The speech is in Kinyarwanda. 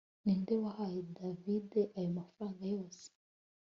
ninde wahaye davide ayo mafaranga yose